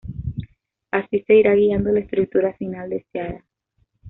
Así se irá guiando la estructura final deseada.